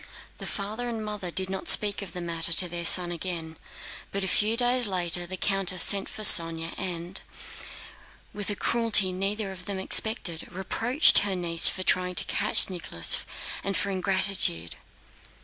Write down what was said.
The father and mother did not speak of the matter to their son again, but a few days later the countess sent for Sónya and, with a cruelty neither of them expected, reproached her niece for trying to catch Nicholas and for ingratitude.